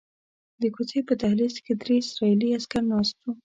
د کوڅې په دهلیز کې درې اسرائیلي عسکر ناست وو.